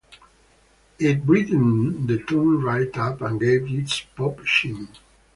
It brightened the tune right up and gave it this pop sheen.